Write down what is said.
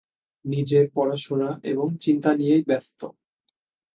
নিজের পড়াশোনা এবং চিন্তা নিয়েই ব্যস্ত।